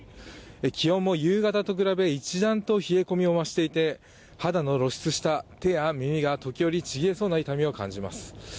気温も夕方と比べ一段と冷え込みを増していて肌の露出した手や耳が時折ちぎれそうな痛みを感じます。